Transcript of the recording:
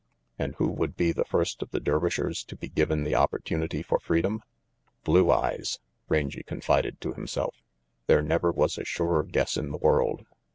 And who would be the first of the Dervishers to be given the opportunity for freedom? "Blue Eyes," Rangy confided to himself. "There never was a surer guess in the world.